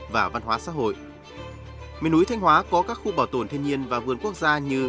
và văn hóa xã hội miền núi thanh hóa có các khu bảo tồn thiên nhiên và vườn quốc gia như